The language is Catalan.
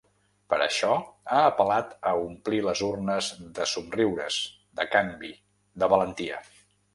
Per això, ha apel·lat a omplir les urnes de somriures, de canvi, de valentia.